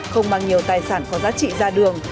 không mang nhiều tài sản có giá trị ra đường